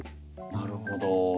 なるほど。